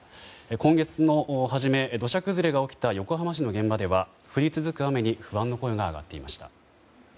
今月の初め、土砂崩れが起きた横浜市の現場では降り続く雨に不安の声が上がっていました。